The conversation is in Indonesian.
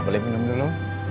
boleh minum dulu